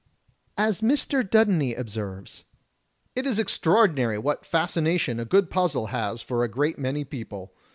As Mr. Dudeney observes: "It is extraordinary what fascination a good puzzle has for a great many people.